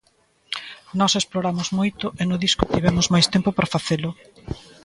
Nós exploramos moito e no disco tivemos máis tempo para facelo.